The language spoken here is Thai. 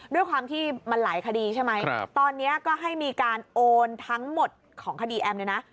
ด้วยความที่มันหลายคดีใช่ไหมตอนนี้ก็ให้มีการโอนทั้งหมดของคดีแอมเนี่ยนะ